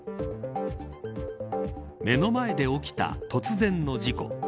目の前で起きた突然の事故。